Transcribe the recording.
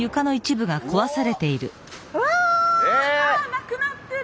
なくなってる！